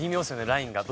ラインが。